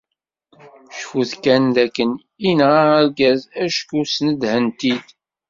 Cfut kan d akken, inɣa argaz acku snedhent-id.